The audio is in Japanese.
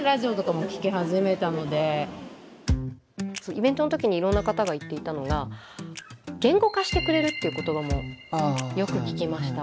イベントの時にいろんな方が言っていたのが言語化してくれるっていう言葉もよく聞きました。